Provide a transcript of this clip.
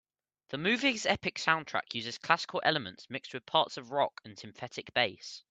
The movie's epic soundtrack uses classical elements mixed with parts of rock and synthetic bass.